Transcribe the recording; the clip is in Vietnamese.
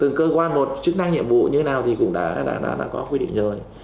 từng cơ quan một chức năng nhiệm vụ như thế nào thì cũng đã có quy định rồi